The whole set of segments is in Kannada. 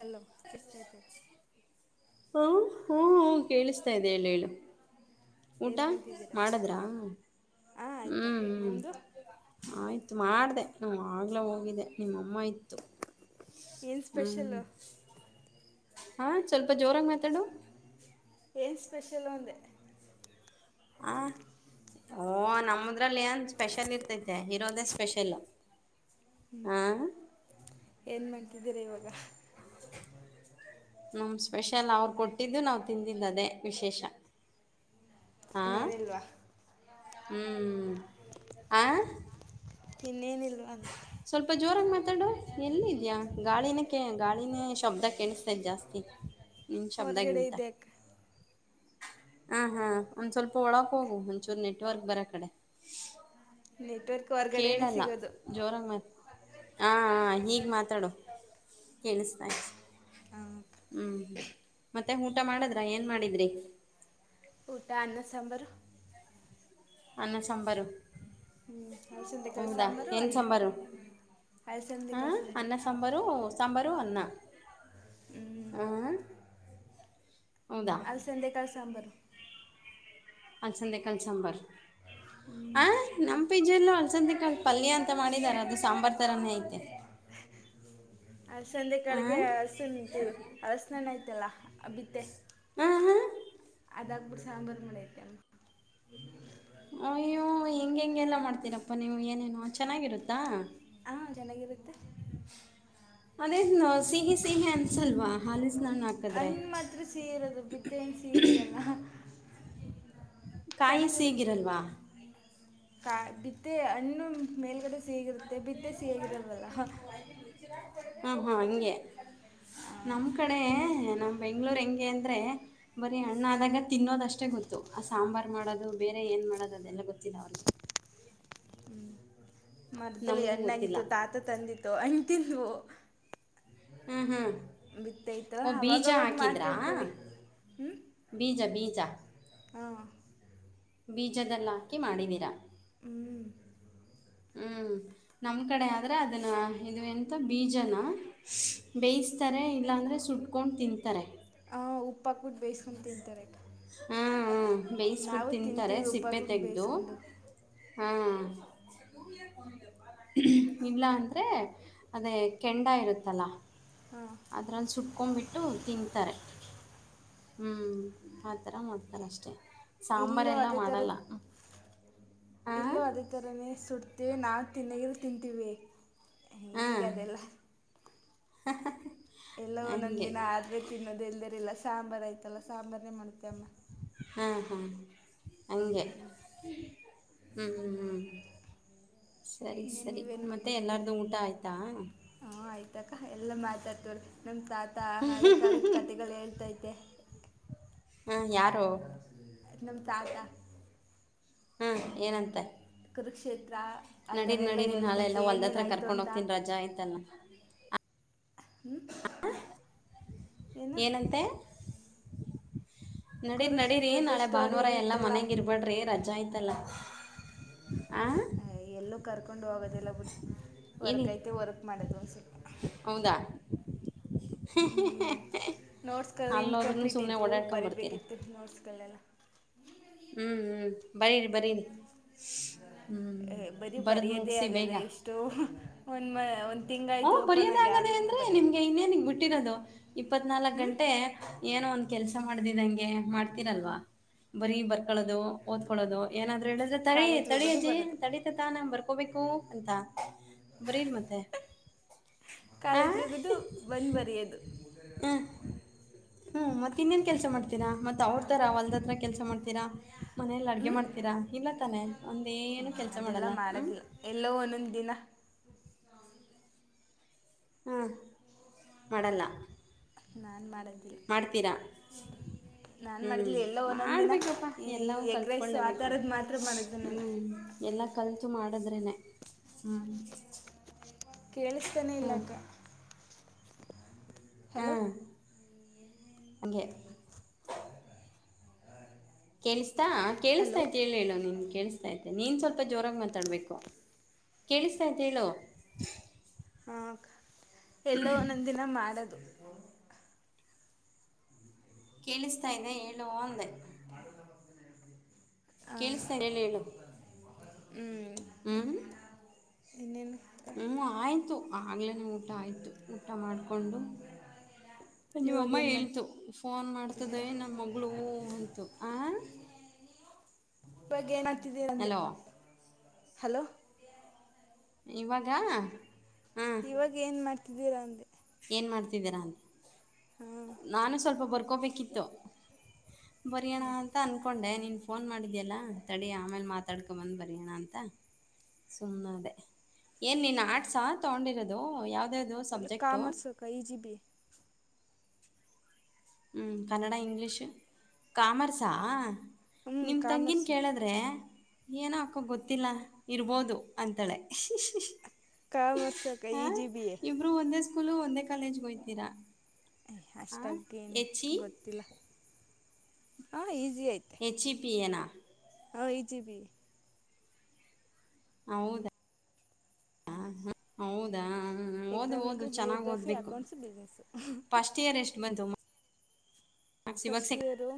ಹಲೋ ಎಷ್ಟೈತೆ [unintelligible] ಹೂ ಹ್ಮ ಹೂ ಕೇಳಿಸ್ತಾ ಇದೆ ಹೇಳ ಹೇಳು. ಊಟ ಏನು ಮಾಡ್ತಿದ್ದೀರಾ ಮಾಡದ್ರ? ಹಾಂ ಆಯ್ತಕ್ಕ ಹ್ಮ್-ಹ್ಮ್ ನಿಮ್ಮದು ಆಯ್ತು ಮಾಡ್ದ ನ್ ಆಗ್ಲೇ ಹೋಗಿದ್ದೆ. ನಿಮ್ಮಮ್ಮ ಇತ್ತು ಏನು ಹ್ಮ್ ಸ್ಪೆಷಲ್ಲು ಹಾ ಸ್ವಲ್ಪ ಜೋರಾಗಿ ಮಾತಾಡು ಏನ್ ಸ್ಪೆಷಲ್ಲು ಅಂದೆ ಆ ಓ ನಮ್ಮದ್ರಲ್ಲಿ ಏನ್ ಸ್ಪೆಷಲ್ ಇರ್ತೈತೆ ಇರೋದೆ ಸ್ಪೆಷಲ್ ಹ ಏನು ಮಾಡ್ತಿದ್ದೀರ ಇವಾಗ? ನಮ್ ಸ್ಪೆಷಲ್ ಅವರು ಕೊಟ್ಟಿದ್ದು ನಾವ್ ತಿಂದಿದ್ದ್ ಅದೇ ವಿಶೇಷ. ಇನ್ನೇನಿಲ್ವಾ? ಹ್ಮ್ ಆ ಇನ್ನೇನಿಲ್ವಾ ಅಂದೆ ಜೋರಂಗ ಮಾತಾಡುವ ಎಲ್ಲ ಇದ್ಯಾ ಗಾಳಿನಕ್ಕೆ ಅಂತ ಗಾಳಿನೇ ಶಬ್ದ ಕೇಳಿಸ್ತೈದ ಜಾಸ್ತಿ ನಿನ್ ಹೊರಗಡೆ ಶಬ್ದಗಿಂತ ಇದೆ ಅಕ್ಕ ಹಾ ಹಾ ಒಂದ್ ಸ್ವಲ್ಪ ಒಳಕ್ ಹೋಗು ಒಂಚೂರು ನೆಟ್ವರ್ಕ್ ಬರ ಕಡೆ ನೆಟ್ವರ್ಕ್ ಹೊರಗಡೆನೇ ಕೇಳಲ್ಲ ಸಿಗೋದು ಜೋರಂಗ ಮತ್ತ ಹಾಂ ಹೀಗೆ ಮಾತಾಡು ಕೇಳಿಸ್ತಾ ಹಾಂ ಅಕ್ಕ ಹ್ಮ್ ಮತ್ತೆ ಊಟ ಮಾಡದ್ರ ಏನ್ ಮಾಡಿದ್ರಿ ಊಟನ್ ನಿಸಂಬರ್ ಅನ್ನ ಸಾಂಬಾರು ಹ್ಞೂ ಅಲಸಂದೆ ಕಾಳು ಹೌದಾ ಸಾಂಬಾರು ಏನ್ ಅನ್ನ ಸಾಂಬಾರು ಅಲಸಂದೆ ಹಾ ಕಾಳು ಅನ್ನ ಸಾಂಬಾರು ಸಾಂಬಾರ [inaudible] ಅಲ್ಲಿಸಧ್ಯಕಾಲ ಸಾಂಬಾರು ಅಲ್ಸಂದೆಕಾಲ್ ಸಾಂಬಾರ್ ಹ ಹ್ಞೂ ಅಕ್ಕ, ನಮ್ಮ ಪಜಲ್ಲೂ ಅಲಸಂದೆಕಾಲ್ ಪಲ್ಯ ಅಂತ ಮಾಡಿದಾರ ಅದು ಸಾಂಬಾರ್ ತರಾನೇ ಐತೆ ಅಲ್ಸಡೆಕಾಲ್ಗೆ ಅರಸನ್ಣ ಆಯ್ತಲ್ಲ ಅಗತ್ತ [inaudible] ಹ್ಮ್ ಹ್ಮ್ ಅದಾಗ್ಬಿಟ್ಟ ಸಾಂಬಾರು ಮಳ ಐತೆ ಅಮ್ಮ ಅಯ್ಯೋ ಏನ ಚೆನ್ನಾಗಿರುತ್ತಾ ಹಾ ಚೆನ್ನಾಗಿರುತ್ತೆ [inaudible] ಅದೇ ಸಿಹಿ ಸಿಹಿ ಅನ್ಸಲ್ವಾ ಹಾಲಿ ಸ್ನಾನ ಹಾಕದ್ರೆ ಹಣ್ಣು ಮಾತ್ರ ಸಿಹಿ ಇರೋದು ಬಿತ್ತೆ ಸಿಹಿ ಇರಲ್ಲ ಕಾಯಿ ಸೀಗಿರಲ್ವಾ ಬಿದ್ದೆ ಅಣ್ಣು ಮೇಲ್ಗಡೆ ಸಿಗಿರುತ್ತೆ ಬಿದ್ದೆ ಸಿಗಿರಲ್ವಲ್ಲ [inaudible] ನಮ್ ಕಡೆ ನಮ ಬೆಂಗ್ಳೂರ್ ಹೆಂಗೆ ಅಂದ್ರೆ ಬರೀ ಅಣ್ಣ ಆದಾಗ ತಿನ್ನೋದಷ್ಟೇ ಗೊತ್ತು ಆ ಸಾಂಬಾರ್ ಮಾಡೋದು ಬೇರೆ ಏನ್ ಮಾಡೋದು ಅದೆಲ್ಲ ಗೊತ್ತಿಲ್ಲ ಅವ್ರಿಗೆ ಮರದಲ್ಲಿ ನಮಗೂ ಅಣ್ಣಾಗಿತ್ತು ಗೊತ್ತಿಲ್ಲ ತಾತ ತಂದಿತ್ತು ಅಂಟನ್ವು ಹ್ಮ್ ಹ್ಮ್ ಬಿತ್ತೈತು ಓ ಬೀಜ ಅವಾಗವಾಗ ಹಾಕಿದ್ರಾ ಮಾಡ್ತಿರ್ತೀವಿ ಬೀಜ ಬೀಜ ಹಾ ಬೀಜದಲ್ಲಾಕಿ ಮಾಡಿವೀರಾ ಹ್ಞೂ ಹ್ಮ್ ನಮ್ ಕಡೆ ಆದ್ರೆ ಅದನ್ನ ಇದು ಎಂತ ಬೀಜನ ಬೇಯ ್ತಾರೆ ಇಲ್ಲಾಂದ್ರೆ ಸುಟ್ಕೊಂಡು ತಿಂತಾರೆ ಹ ಉಪ್ಪಾಕ್ಕಟ್ಟು ಬೇಯಿಸಕೊಂತಾರೆ ಹ್ಮ ಬೇಯಿಸಬಿಟ್ಟು ತಿಂತಾರೆ ಸಿಪ್ಪೆ ತೆಗೆದು ಬೇಯಿಸ್ಕೊಂಡು ಹಾ ಇಲ್ಲ ಅಂದ್ರೆ ಅದೇ ಕೆಂಡ ಇರುತ್ತಲ್ಲ ಹಾಂ ಅದ್ರಲ್ಲಿ ಸುಟ್ಕೊಂಡ್ಬಿಟ್ಟು ತಿನ್ಂತಾರೆ ಹ್ಮ್ ಆತರ ಮಾಡಡ್ತಾರ ಅಷ್ಟೇ ಸಾಂಬಾರ್ ಇಲ್ಲೂ ಎಲ್ಲಾ ಮಾಡಲ್ಲ ಇಲ್ಲ ಹಾಂ ಅದೇ ತರನೇ ಸುಡ್ತೀವಿ ನಾನ್ ತಿನ್ನಗ್ರ ತಿಂತೀವಿ ಈಗದೆಲ್ಲ ಹ ಎಲ್ಲೋ ಒಂದೊಂದ್ ದಿನ ಆದ್ರೆ ತಿನ್ನೋದು ಎಲ್ದರಿಲ್ಲ ಸಾಂಬಾರಾರ್ ಆಯ್ತಲ್ಲ ಸಾಂಬಾರ್ನೇ ಮಾಡ್ತೇ ಅಮ್ಮ ಹಾಂ ಹಾಂ ಹೆ ಹ್ಞೂ ಹ್ಞೂ ಹ್ಞೂ ಸರಿ ಇನ್ನೇನು ಸರಿ ನೀವೇನು ಮತ್ತೆ ಮಾಡ್ತೀರ ಎಲ್ಲಾರ್ದು ಊಟ ಆಯ್ತಾ ಅ ತಕ ಎಲ್ಲ ಮಾತಾಡ್ತವ್ರಿ ನಮ್ಮ ತಾತ ಹಳೆ ಕಾಲದ ಕತೆೆಗಳು ಹೇಳ್ತೈತೆ ಹಾಂ ಯಾರು ಎ ನಮ ತಾತಾ ಹ್ಮ ಏನಂತ ಕುರಕ್ಷೇತ್ರ ತಾ ಆತರ ಎಲ್ಲಾ ನಾಳೆ ಎಲ್ಲ ಹೇಳ್ತೈತೆ ಹೊಲ್ದ ಹತ್ರ ಏನೇನ್ಯ್ತು ಕರ್ಕೊಂಡು ಅಂತ ಹೋಗ್ತೀನಿ ರಜಾ ಆಯ್ತಲ್ಲ ಹ್ಞೂ ಆ ಏನು ಏನಂತೆ ನಡಿ ಕುರುಕ್ಷೇತ್ರದ ನಡಿರಿನಾಳೆ ಸ್ಟೋರಿ ಭಾನುವಾರ ಎಲ್ಲ ಐತಲ್ಲ ಮನೆಗಇರಬ್ಯಾಡ್ರೆ ರಜ ಆಯ್ತಲ್ಲ ಆ ಎಲ್ಲೂ ಕರ್ಕೊಂಡು ಹೋಗೋದೆಲ್ಲ ಬಿಟ್ಟ ವರ್ಕ್ ಐತೆ ವರ್ಕ್ ಮಾಡೋದು ಒಂದಸ ಹೌದಾ [inaudible] ನೋಟ್ಸ್ ಕಲ್ ಅಲ್ಲೋದ್ರೂ ಇನ್ಕಂಪ್ಲೀಟ್ ಸುಮ್ಮನೆ ಇದು ಓಡಾಡ್ಕೊಂಬರ್ತೀರ ಬರೀರ್ಬೇಕಿತ್ತು ನೋಟ್ಸ್ಗಳಲ್ಲೆಲ್ಲ ಹ್ಮ್ ಹ್ಮ್ ಬರೀರಿ ಬರೀರಿ ಹ್ಞೂ ಬರೀ ಬರೆದು ಬರಯದೇ ಮುಗಿಸಿ ಆಗದ ಬೇಗ ಇಷ್ಟು ಒಂದ ಒಂದ ಹಿಂಗಾಯ್ತು ಬರ್ಯೋದಾಗದ ಅಂದ್ರೆ ನಿಮ್ಗೆ ಇನ್ನೇನಗ್ ಬಿಟ್ಟಿರೋದು ಇಪ್ಪತ್ನಾಲ್ಕಕ್ ಹ್ಞೂ ಗಂಟೆ ಏನೋ ಒಂದ್ ಕೆಲಸ ಮಾಡ್ದಿದ್ದಂಗೆ ಮಾಡ್ತೀರಲ್ವಾ ಬರ ಬರ್ ಕಳೋದು ಓದ್ಕೊಳ್ಳೋದು ಏನಾದ್ರು ಹೇಳಿದ್ರೆ ತಳಿ ಕಾಲೇಜ್ಗೆ ಹೋಗೋದು ತಡಜಿಅಜ್ಜಿ ಬರೋದು ತಡಿತತಾ ನಾ ಬರ್ಕೋಬೇಕು ಅಂತ ಬರೀರ್ ಮತ್ತೆ ಕಾಲೇಜ ಹೋಗದು ಬಂದ್ ಬರಿಯೋದು ಹ್ಮ ಹ್ಮ್ ಮತ್ತ ಇನ್ನೇನ್ ಕೆಲ್ಸ ಮಾಡ್ತೀಿನ ಮತ್ ಅವ್ರ ತರ ಅವಲ್ದ ಕೆಲ್ಸ ಮಾಡ್ತೀರಾ ಮನೇಲಿ ಹ್ಞೂ ಅಡ್ಗೆ ಮಾಡ್ತೀರಾ ಇಲ್ಲ ತಾನೆ ಒಂದೇನು ಕೆಲ್ಸ ಮಾಡಲ್ಲ ಹ್ಮ್ ಹಲೋ ಒಂದೊಂದ ದಿನ ಹಾ ಮಾಡಲ್ಲ ನಾನ್ ಮಾಡ ಮಾಡ್ತೀರಾ ನಾನು ಹ್ಮ್ ಮಾಡಿದ್ಲಿ ಎಲ್ಲೋ ಒಂದೊಂದು ದಿನ ಮಾಡ್ಬೇಕಪ್ಪಾ ಈ ಎಲ್ಲವೂ ಎಗ್ ರೈಸು ಆ ಕಲ್ತ್ಕೊಳ್ಬೇಕು ಥರದ್ದು ಮಾತ್ರ ಮಾಡೋದು ನಾನು ಹ್ಮ್ ಎಲ್ಲಾ ಕಲ್ತು ಮಾಡದ್ರೇನೆ ಕೇಳಿಸ್ತಾನೆ ಇಲ್ಲಾಕ್ಕ ಹಲೋ ಅಗೆ ಕೇಸ್ತಾ ಹಲೋ ಕೇಳಿಸ್ತಾಾಯ್ತ್ ಹೇಳಿ ಹೇಳೋ ನಿನ್ಗೆ ಕೇಳಿಸ್ತಾ ತೆ ನೀನ್ ಸ್ವಲ್ಪ ಜೋರಾಗಿ ಮಾತಾಡ್ಬೇಕು ಕೇಳಿಸ್ತಾ ತೆ ಹೇಳು ಹಾ ಎಲ್ಲ ಒಂದೊಂದ ದಿನ ಮಾಡದು ಕೇಳಿಸ್ತಾ ಇದೆ ಹೇಳುವ ಅಂದೆ ಕೇಳಿಸ್ತಾ ಇದೆ ಹೇಳು ಹೇಳು ಹ್ಮ್ ಹ್ಮ್ ಇನ್ನೇನು ಹ್ಮ ಆಯ್ ಆಯಿತು ಆಗಲೇ ನೀವು ಊಟ ಆಯತು ಊಟ ಮಾಡಿಕೊಂಡು ಇವಾಗ ನಿಮ್ಮಮ್ಮ ಏನು ಹೇಳ್ತು ಫೋನ್ ಮಾಡ್ತದೆ ಮಾಡ್ತಿದ್ದೀರಾ ನಮ್ಮ ಮಗಳುೂ ಅಂತು ಆ ಭಗೆ ಮತ್ ಹಲೋ ಹಲೋ ಇವಾಗ ಹಾ ಇವಾಗ ಏನ್ ಮಾಡ್ತಿದ್ದೀರಾ ಅಂದೆ ಏನ್ ಮಾಡ್ತಿದ್ದೀರಾ ಅಂತ ಹಾಂ ನಾನು ಸ್ವಲ್ಪ ಬರ್ ತೋಬೇಕಿತ್ತು ಬರಿಣ ಅಂತ ಅಂದಕೊಂಡೆ ನೀನು ಫೋನ್ ಮಾಡಿದ್ಯಲ್ಲ ತಡಿ ಆಮೇಲೆ ಮಾತಾಡ್ಕೊ ಬಂದ ಬರಯಣ ಅಂತ ಸುಮ್ಮ್ ಅದೇ ಏನ್ ನೀನ್ ಆರ್ಟ್ಸ್ ತಗೊಂಡಿರೋದು ಯಾವ್ದ ಯಾವ್ದು ಸಬ್ಜೆಕ್ಟ್ ಕಾಮರ್ಸಕ ಈಜಿ ಬಿ ಹ್ಞ ಕನ್ನಡ ಇಂಗ್ಲೀಷ್ ಕಾಮರ್ಸಾ ಹ್ಞೂ ನಿಮ್ ತಂಗೀನ್ ಕಾಮರ್ಸು ಕೇಳಿದ್ರೆ ಏನೋ ಹಾಕೋ ಗೊತ್ತಿಲ್ಲ ಇರ್ಬೋದು ಅಂತಳೆ ಕಾಮರಸ ಅಕ್ಕ ಈಜಿ ಬಿ ಸ್ಕೂಲ್ ಒಂದೇ ಕಾಲಜ್ಗೆ ಹಯ್ತೀರಾ ಅಷ್ಟಾಗಿೇನ್ ಗೊತ್ತಿಲ್ಲ ಹ ಈ ಹೆಚ್ ಇ ಪಿಿಯನಾ ಹೌ ಇಜಿವಿ ಹೌದಾ ಹೌದಾ ಹ್ಮ ಓದು ಓದು ಎಕನಾಮಿಕ್ಕು ಚೆನ್ನಾಗಿ ಜಿಯೋಗ್ರಫಿ ಓದ್ಬೇಕು ಅಕೌಂಟ್ಸು ಬಿಸ್ನೆಸ್ಸು ಫಸ್ಟ್ ಇಯರ್ ಎಷ್ಟು ಬಂತು ಮಾರ್ಕ್ಸ್ ಇವಾಗ ಫಸ್ಟ್ ಸೆ ಇಯರು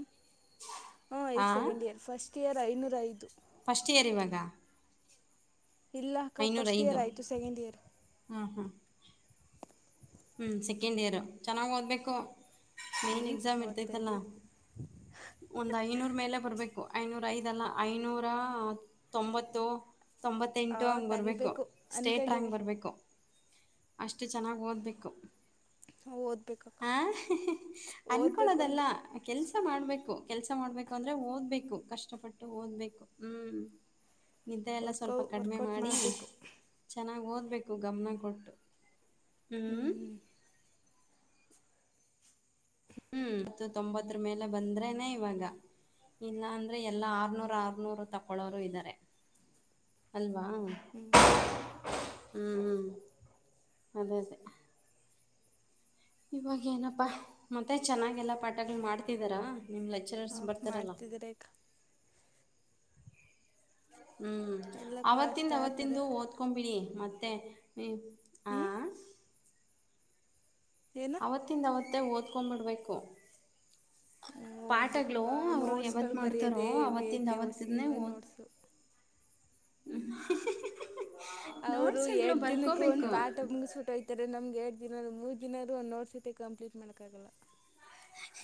ಹಾಂ ಈಗ ಆ ಸೆಕೆಂಡ್ ಇಯರ್ ಫಸ್ಟ್ ಇಯರ್ ಐನೂರ ಐದು ಫಸ್ಟ್ ಇಯರ್ ಇವಾಗ ಇಲ್ಲಕ್ಕ ಫಸ್ಟ್ ಐನೂರೈದು ಇಯರ್ ಆಯಿತು ಸೆಕೆಂಡ್ ಇಯರ್ ಹಾಂ ಹಾಂ ಹ್ಞೂ ಸೆಕೆಂಡ್ ಇಯರು ಚೆನ್ನಾಗಿ ಓದ್ಬೇಕು ಮೇನ್ ಹ್ಞೂ ಎಕ್ಸಾಮ್ ಓದ್ತಾ ಇರ್ತೈತಲ್ಲ ಇದ್ದೀವಿ ಒಂದು ಐನೂರ ಮೇಲೆ ಬರಬೇಕು ಐನೂರ ಐದಲ್ಲ ಐನೂರ ತೊಂಬತ್ತು ಆ ತೊಂಬತ್ತೆಂಟು ಹಂಗೆ ಬರಬೇಕು ತೆಗಿಬೇಕು ಸ್ಟೇಟ್ ರ್ಯಾಂಕ್ ಅಂದ್ಕೊಂಡೀವಿ ಬರಬೇಕು ಅಷ್ಟು ಚೆನ್ನಾಗಿ ಓದ್ಬೇಕು ಓದಬೇಕಕ್ಕ ಹ ಓದಬೇಕು ಅನ್ಕಳೋದಲ್ಲ ಅಂದೆ ಕೆಲ್ಸ ಕೆಲಸ ಮಾಡಬೇಕು ಕೆಲಸ ಮಾಡಬೇಕು ಅಂದ್ರೆ ಓದ್ಬೇಕು ಕಷ್ಟಪಟ್ಟು ಓದ್ಬೇಕು ಹ್ ನಿದ್ದೆ ಎಲ್ಲ ವರ್ಕೌ ಸ್ವಲ್ಪ ಕಡಿಮೆ ವರ್ಕೌಟ್ ಮಾಡಿ ಮಾಡಬೇಕು ಚೆನ್ನಾಗಿ ಓದಬೇಕು ಗಮನ ಕೊಟ್ಟು ಹ್ಞೂ ಹ್ಮ್್ಮ್ಮ ಹ್ಮ್ ಇತ್ತು ತೊಂಬತ್ತರ ಮೇಲೆ ಬಂದ್ರೇನೆ ಇವಾಗ ಇಲ್ಲ ಅಂದ್ರೆ ಎಲ್ಲಾ ಆರ್ನೂರ್ ಆರ್ನೂರ್ ತಕಳೋರು ಇದಾರೆ ಅಲ್ ಾ ಹ್ಮ ಹ್ಞೂ ಹ ಅದೇ ಅ ಇವಾಗ ಏನಪ್ಪಾ ಮತ್ತೆ ಚೆನ್ನಾಗೆಲ್ಲ ಪಾಠಗಳು ಮಾಡ್ತಿದಾರಾ ನಿಮ್ಮ ಲೆಕ್ಚರರ್ಸ್ ಹಾ ಬರ್ತಾರಲ್ಲ ಮಾಡ್ತಿದ್ದಾರೆ ಅಕ್ಕ ಹ್ಮ್ ಎಲ್ಲ ಕ್ಲಾಸ್ ಅವತ್ತಿಂದ ತಗತಾರೆ ಅವತ್ತಂದು ಓದ್ಕೊ್ ಬಿಿಡಿ ಮತ್ತೆ ಆ ಹ್ಞೂ ಏನು ಅವತ್ತಿಂದವತ್ತೇ ಓದ್ಕೊ್ಂಬಿಡ್ಬೇಕು ಹ್ಞೂ ಪಾಠಗಳು ಓದಬೇಕಕ್ಕ ಅವರು ಯಾವತ್ ನೋಟ್ಸ್ಗಳು ಮಾಡ್ತಾರೋ ಬರೆಯೋದೇ ಹೆವಿ ಅವತ್ತಿಂದ ಐತೆ ಒಸಿ ಅವತ್ತನೇ ಎಲ್ಲ ಓ ನೋಟ್ಸು ಹ್ಮ ಅವ್ರು ಎರಡ್ ದಿನಕ್ಕೂ ಒಂದ್ ಪಾಠ ಮುಗಸ ಬಿಟ್ಟ ಹೋಗತ್ತಾರೆ ನಮ್ಗೆ ಮೂರ್ ದಿನ ಆದ್ರೂ ಒಂದು ನೋಟ್ಸ ಕಂಪ್ಲೀಟ್ ಮಾಡಕ್ಕ ಆಗಲ್ಲ ಹ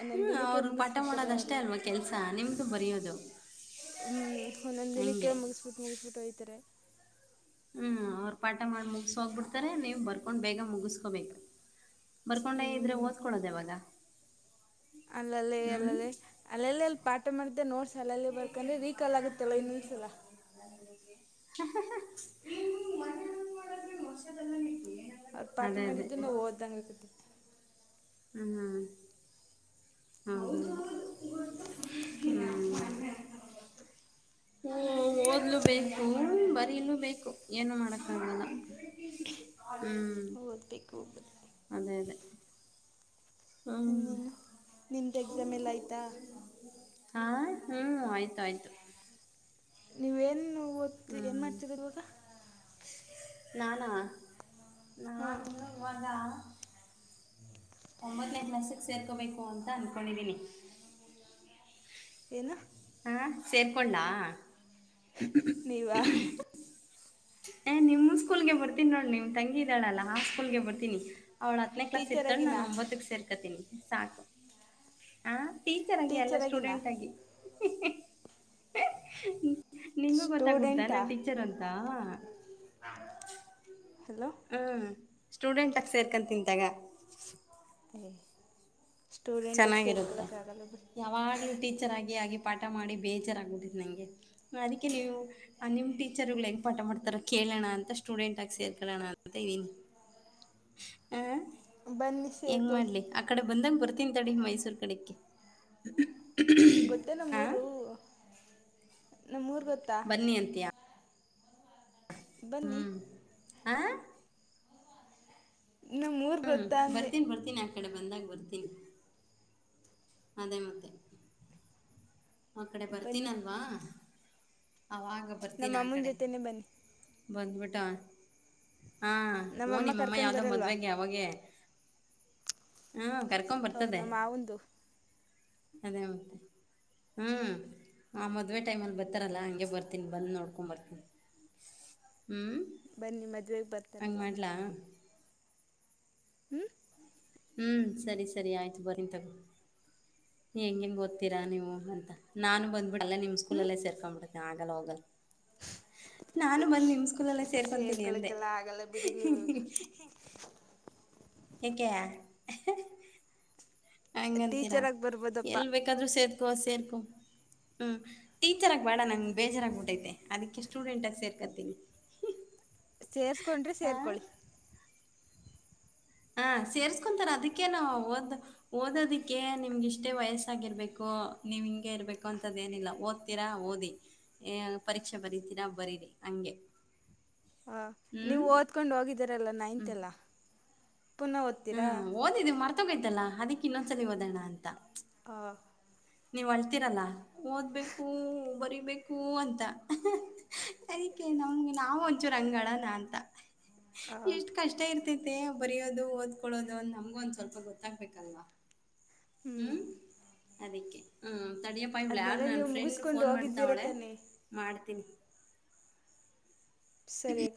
ಒಂದೊಂದು ಹ್ಮ್ ದಿನಕ್ಕೆ ಅವರು ಪಾಠ ಮುಗಿಸ್ಬಿಡ್ತಾರೆ ಮಾಡೋದಷ್ಟೇ ಅವರು ಅಲ್ವಾ ಕೆಲ್ಸ ನಿಮ್ದು ಬರಿಯೋದು ಹ್ಮ್ ಒಂದೊಂದ್ ದಿನಕ್ಕೆ ಮುಗಿಸಬಿಟ್ಟು ಮುಗಿಸಬಿಟ್ಟು ಹೊಯ್ತರೆ ಹ್ಮ್ ಅವ್ರು ಪಾಠ ಮಾಡಿ ಮುಗಸ ಹೋಗ್ಬಿಡ್ತಾರೆ ನೀವು ಬರ್ಕೊಂಡ್ ಬೇಗ ಮುಗಸ್ಕೋಬೇಕು ಬರ್ಕೊಂಡೆ ಇದ್ರೆ ಓದ್ಕೊಳೋದ ಯಾವಾಗ ಅಲ್ಲಲ್ಲೇ ಹ್ಞೂ ಅಲ್ಲದೆ ಅಲ್ಲೆಲ್ಲ ಅಲ್ಲಿ ಪಾಠ ಮಾಡ್ದೆ ನೋಡ್ಸ ಶಾಲೆಯಲ್ಲಿ ಬರ್ಕಂದ್ರೆ ರೀಕಾಲ್ ಆಗುತ್ತಲ್ಲ ಇನ್ನೊಂದಸಲ ಪಾಠ ಅದೇ ಅದೇ ಮಾಡಿದ್ದರು ನಾವು ಓದ್ ಹ್ಮ ಹ್ಮ ಹ್ಮ್ [unintelligible] ಹ ಓದ್ಲು ಬೇಕು, ಬರೀಲು ಬೇಕು, ಏನು ಮಾಡಕಾಗಲಾ ಹ್ಮ ಹ್ಮ್ ಅದೇ ಅದೇ ಹ್ಮ್ ನು ನಿಮ್ದು ಎಕ್ಸಾಮ್ ಎಲ್ಲಾ ಆಯ್ತಾ ಹಾ ಹ್ಮ್ ಆಯ್ತ ಆಯ್ತು ನೀವೇನು ಓದ್ ಏನ್ ಹ್ಮ್ ಮಾಡ್ತೀರ ಇವಾಗ ನಾನಾ ಹಾಂ ನಾನು ಇವಾಗ ಒಂಬತ್ತನೈ ಕ್ಲಾಸಕ್ ಸೇರ್ಕೋಬೇಕು ಅಂತ ಅನ್ಕೊಂಡಿದೀನಿ ಏನು ಹಾ ಸೇರ್ಕೊಂಡನಾ ನೀವಾ ಏ ನಿಮ್ಮ ಸ್ಕೂಲ್ಗೆ ಬರ್ತೀನಿ ನೋಡ್ ನಿಮ್ ತಂಗಿ ಇದಾಳಲ್ಲಾ ಆ ಸ್ಕೂಲ್ಗೆ ಬರ್ತೀನಿ ಅವ್ಳು ಹತ್ತನೇ ಕ್ಲಾಸ್ ಇರ್ತ್ತಾಳೆ ಟೀಚರಾಗಿನಾ ನಾನು ಒಂಬತ್ತಕ್ ಸೇರ್ಕೊತೀನಿ ಸಾಕು ಹಾ ಟೀಚರ್ ಆಗಿ ಅಲ್ಲ ಟೀಚರಾಗಿನಾ ಸ್ಟೂಡೆಂಟ್ ಆಗಿ ನಿಂಗೂ ಗೊತ್ತಾಗಬಡ್ತ ಸ್ಟೂಡೆಂಟಾ ನಾನ್ ಟೀಚರ್ ಅಂತಾ ಹಲೋ ಹ್ಮ ಸ್ಟೂಡೆಂಟ್ಕ್ ಆಗಿ ಸೇರ್ಕಂತಿನ ತಗೊ [inaudible] ಚೆನ್ನಾಗಿರುತ್ತೆ ಸೇರ್ಕೊಳ್ಳೋಕ್ಕಾಗಲ್ಲ ಬಿಡಿ ಯಾವಾಗ್ಲೂ ಟೀಚರ್ ಆಗಿ ಆಗಿ ಪಾಠ ಮಾಡಿ ಬೇಜಾರಾಗಗ್ಬಿಟ್ಟ್ತ್ ನಂಗೆ ಅದಕ್ಕೆ ನೀವು ನಿಮ್ಮ ಟೀಚರ್ಗಳು ಹೆಂಗೆ ಪಾಠ ಮಾಡ್ತಾರ ಕೇಳಿ ಇರ್ಲಿಣ ಅಂತ ಸ್ಟೂಡೆಂಟ್ ಆಗಿ ಸೇರ್ಕೊಳ್ಳೋಣ ಅಂತ ಇದ್ದೀನಿ ಹ ಬನ್ನಿ ಹೆಂಗ್ ಸೇರ್ಕೊಳ್ಳಿ ಮಾಡ್ಲಿ ಆ ಕಡೆ ಬಂದಂಗ ಬರ್ತೀನ್ ತಡಿ ಮೈಸೂರ್ ಕಡೆಕ್ಕೆ ಗೊತ್ತಾ ನಮ್ಮೂರು ನಮ್ಮ ಊರು ಗೊತ್ತಾ ಬನ್ನಿ ಬನ್ನಿ ಹ್ಮ್ ಆ ನಮ್ಮೂರು ಹ್ಮ್ ಗೊತ್ತಾ ಅಂದೆ ಬರ್ತೀನ ಬರ್ತೀನ ಆ ಈ ಕಡೆ ಬಂದಾಗ ಬರ್ತೀವಿ ಅದೇ ಮತ್ತೆ ಆ ಕಡೆ ಬನ್ನಿ ಬರ್ತೀನಲ್ವಾ ಅವಾಗ ನಮ್ಮ ಬರ್ತೀನಿ ಆ ಅಮ್ಮನ ಕಡೆ ಜೊತೆನೇ ಬನ್ನಿ ಬಂದ್ಬಿಟ್ಟು ಹಾ ಓ ನಮ್ಮಮ್ಮ ನಿಮ್ಮಮ್ಮ ಕರ್ಕೊಂಡು ಯಾವ್ದೋ ಬರಲ್ವಾ ಮದ್ವೆೆಗೆ ಅವಾಗೆ ಹಾ ಕರ್ಕೊ ಹೋ ಬರ್ತದೆ ನಮ್ಮ ಮಾವಂದು ಅದೇ ಮತ್ತೆ ಹೂ ಮದುವೆ ಟೈಮಲ್ಲಿ ಬರ್ತಾರಲ್ಲ ಹಂಗೆ ಬರ್ತೀನಿ ಬಂದು ನೋಡ್ಕೊಂಡ್ ಬರ್ತೀನಿ ಹ್ಮ್ ಬನ್ನಿ ಮದುವೆಗೆ ಹಂಗ ಬರ್ತಾರಲ್ಲ ಮಾಡಲ್ಲಾ ಹು ಹ್ಮ್ ಸರಿ ಸರಿ ಆಯ್ತು ಬರೀನ ತಗೋ ಹೆಂಗ ಹೆಂಗ್ ಓದ್ತೀರಾ ನೀವು ಅಂತ ನಾನು ಬಂದ್ಬಿಟ್ಟ ಅಲ್ಲೇ ನಿಮ್ ಹ್ಞೂ ಸ್ಕೂಲಲ್ಲೇ ಸೇರ್ಕೊಂಡ್ಬಿಡತ್ತ ಆಗಲ್ಲ ಹೋಗಲ್ಲ ನಾನು ಬಂದ್ ನಿಮ್ ಸ್ಕೂಲಲ್ಲಿ ಸೇರ್ಕೊತೀನಿ ಅಂದೆ ಸೇರ್ಕೊಳಕ್ಕೆಲ್ಲ ಆಗಲ್ಲ ಬಿಡಿ ನೀವು ಯಾಕೆ ಹಂಗಂತೀರಾ ಟೀಚರಾಗಿ ಬರ್ಬೋದಪ್ಪ ಎಲ್ಲಿ ಬೇಕಾದ್ರೂ ಸೇರ್ಕೊ ಸೇರ್ಕೋ ಹ್ಞೂ ಟೀಚರಾಗಿ ಬೇಡ ನಂಗೆ ಬೇಜಾರಾಗಿ್ಬಿಟ್ಟೈತೆ ಅದಕ್ಕೆ ಸ್ಟೂಡೆಂಟಾಗಿ ಸೇರ್ಕೊತೀನಿ ಹ ಸೇರ್ಸ್ಕೊಂಡ್ರೆ ಸೇರ್ಕೊಳ್ಳಿ ಹ ಸೇರ್ಸ್ಕೊಂತಾರ ಅದಕ್ಕೆೇ ನಾವು ಓದ ಓದೋದಿಕ್ಕೆ ನಿಮ್ಗೆ ಇಷ್ಟೇ ವಯಸ್ಸಾಗಿರ್ಬೇಕು ನೀವ್ ಹಿಂಗೆ ಇರ್ಬೇಕು ಅಂತದ ಏನಿಲ್ಲ ಓದ್ತೀರಾ ಓದಿ ಪರೀಕ್ಷೆ ಬರತೀರಾ ಬರೀರಿ ಹಂಗೆ ಹ ನೀವು ಹ್ಮ್ ಓದ್ಕೊಂಡ್ ಹೋಗಿದ್ದರಲ್ಲ ನೈನ್ತ್ ಎಲ್ಲ ಹ್ಮ ಓದಿದ್ದ್ ಮರ್ತೋಗೋಯ್ತಲ್ಲಾ ಅದಿಕ್ ಇನ್ನೊಂದ್ಸಲ ಓದೋಣ ಅಂತ ಹಾಂ ನೀವ್ ಅತ್ತಿರಲ್ಲಾ ಓದ್ಬೇಕು ಬರಿಬೇಕು ಅಂತಾ ನಮ್ಗೆ ನಾವು ಒಂಚೂರು ಅಂಗ ಅಳನಾ ಅಂತ ಹಾಂ ಎಷ್ಟ್ ಕಷ್ಟ ಇರ್ತ ಬರಿಯೋದು ಓದ್ಕೊಳ್ಳೋದು ಅ ನಮ್ಗೂ ಒಂದ್ ಸ್ವಲ್ಪ ಗೊತ್ತಾಗ್ಬೇಕಲ್ವಾ ಹ್ಞೂ ಹ್ಮ್ ಅದಕ್ಕೆ ಹ್ಮ್ ನಡಿಯಪ್ಪ ಇವಳ ಯಾರು ಅದನ್ನೆಲ್ಲ ನನ್ನ ನೀವು ಫ್ರೆಂಡ್ ಮುಗಿಸ್ಕೊಂಡು ಫೋನ್ ಹೋಗಿದ್ದೀರ ಮಾಡ್ತಾವಳೆ ತಾನೇ ಮಾಡ್ತೀನಿ ಸರಿ